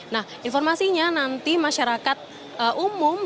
nah informasinya nanti masyarakat umum